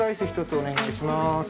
１つお願いします。